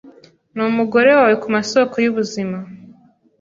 numugore wawe Ku masoko yubuzima